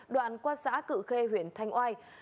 đoạn qua xã cự khê huyện thanh oai